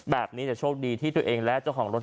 แบบนี้แต่โชคดีที่ตัวเองและเจ้าของรถ